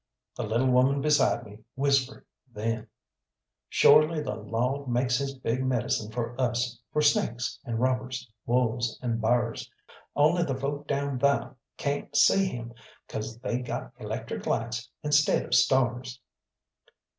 The little woman beside me whispered then "Shorely the Lawd makes His big medicine for us, for snakes and robbers, wolves and b'ars. Only the folk down tha cayn't see Him, 'cause they got electric lights instead of stars."